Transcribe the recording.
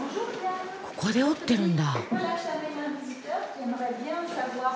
ここで織ってるんだ。